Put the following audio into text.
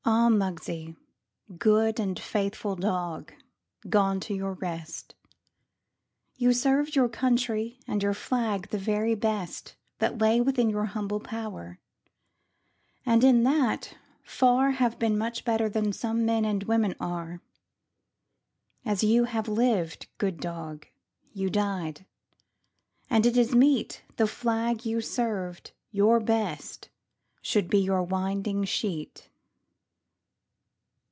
Ah, Muggsie, good and faithful dog, Gone to your rest! You served your country and your flag The very best That lay within your humble power, And in that far Have been much better than some men And women are. As you had lived, good dog, you died, And it is meet The flag you served your best should be Your winding sheet.